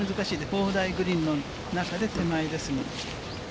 砲台グリーンの中で手前ですから。